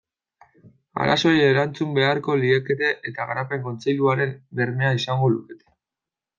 Arazoei erantzun beharko liekete eta Garapen Kontseiluaren bermea izango lukete.